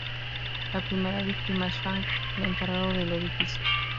La primera víctima es Frank, el encargado del edificio.